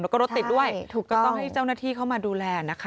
แล้วก็รถติดด้วยถูกก็ต้องให้เจ้าหน้าที่เข้ามาดูแลนะคะ